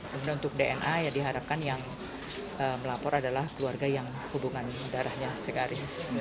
kemudian untuk dna ya diharapkan yang melapor adalah keluarga yang hubungan darahnya segaris